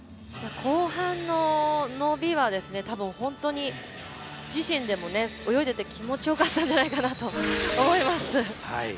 後半の伸びはたぶん本当に自身でも泳いでて気持ちよかったんじゃないかなと思います。